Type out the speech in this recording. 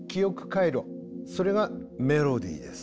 それがメロディーです。